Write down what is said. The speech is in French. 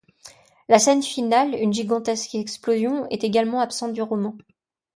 La scène finale, une gigantesque explosion, est également absente du roman.